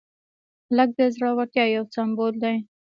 هلک د زړورتیا یو سمبول دی.